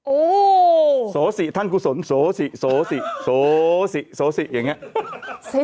โอ้โศษีท่านกุศลโศษีโศษีโศษีโศษีอย่างนี้